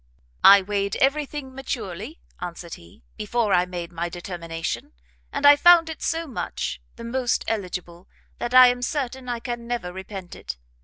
"I weighed every thing maturely," answered he, "before I made my determination, and I found it so much, the most eligible, that I am certain I can never repent it.